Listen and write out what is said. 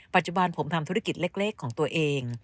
ปัจจุบันผมทำธุรกิจเล็กของตัวเอง